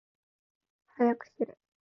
はやくしれ。